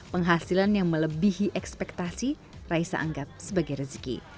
penghasilan yang melebihi ekspektasi raisa anggap sebagai rezeki